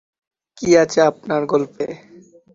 কি আছে আপনার গল্পে?